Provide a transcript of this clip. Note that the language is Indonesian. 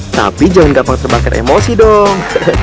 tapi jangan gampang terbakar emosi dong